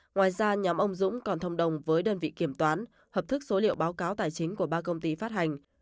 ngoài ra nhóm ông dũng còn thông đồng với đơn vị kiểm toán hợp thức số liệu báo cáo tài chính của ba công ty phát hành